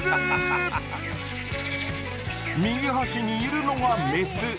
右端にいるのがメス。